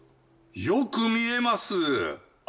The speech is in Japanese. よく見えます！